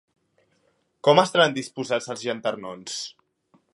Com estaran disposats els llanternons?